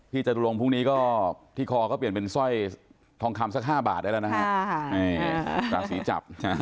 จตุรงค์พรุ่งนี้ก็ที่คอก็เปลี่ยนเป็นสร้อยทองคำสัก๕บาทได้แล้วนะฮะราศีจับ